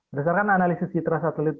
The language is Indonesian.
berdasarkan analisis citra satelit